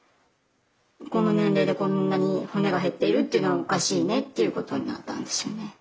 「この年齢でこんなに骨が減っているっていうのはおかしいね」っていうことになったんですよね。